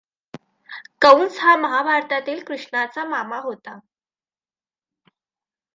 कंस हा महाभारतातील कृष्णाचा मामा होता.